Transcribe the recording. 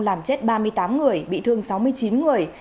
làm chết ba mươi tám người bị thương sáu mươi chín người